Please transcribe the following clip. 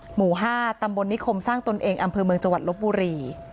หมู่๕ตำบลนิคมสร้างตนเองอำเภอเมืองจังหวัดลบบุรี